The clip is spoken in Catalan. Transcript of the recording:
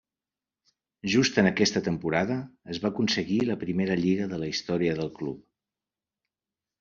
Just en aquesta temporada es va aconseguir la primera Lliga de la història del club.